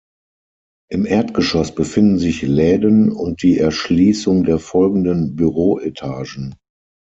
Im Erdgeschoss befinden sich Läden und die Erschließung der folgenden Büroetagen.